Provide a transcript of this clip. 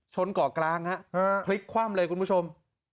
ชนเกาะกลางฮะพลิกคว่ำเลยคุณผู้ชม